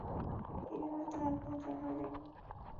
কীভাবে, তা এখনো জানা যায়নি।